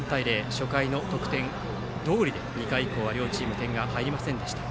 初回の得点どおりで２回以降、両チーム得点が入りませんでした。